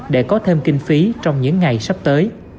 để có thêm kinh phí trong những ngày sắp tới